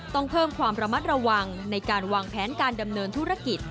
ต้องเพิ่มความระมัดระวังในการวางแผนการดำเนินธุรกิจ